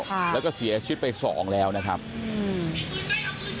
ค่ะแล้วก็เสียชีวิตไปสองแล้วนะครับอืม